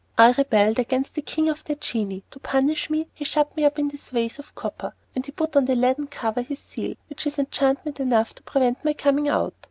"I rebelled against the king of the genii. To punish me, he shut me up in this vase of copper, and he put on the leaden cover his seal, which is enchantment enough to prevent my coming out.